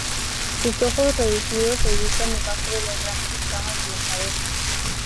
Sus ojos reducidos se ubican debajo de las grandes escamas de la cabeza.